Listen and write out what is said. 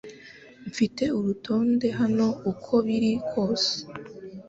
Mfite urutonde hano uko biri kose